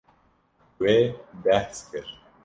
Wê behs kir.